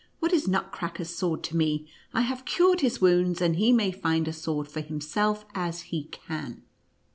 What is Nutcracker's sword to me? I have cured his wounds, and he may find a sword for himself as he can."